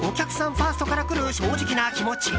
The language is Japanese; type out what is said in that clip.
ファーストから来る正直な気持ち。